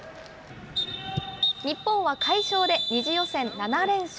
日本は快勝で２次予選７連勝。